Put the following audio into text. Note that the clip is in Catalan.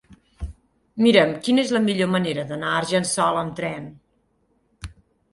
Mira'm quina és la millor manera d'anar a Argençola amb tren.